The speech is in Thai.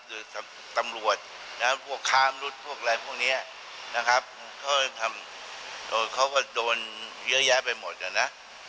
เขาจะทำเขาก็โดนเยอะแยะไปหมดนะนะ